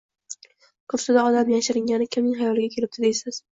Kursida odam yashiringani kimning xayoliga kelibdi deysiz